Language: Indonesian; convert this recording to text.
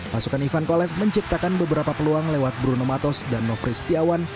pasukan ivan kolev menciptakan beberapa peluang lewat bruno matos dan nofri setiawan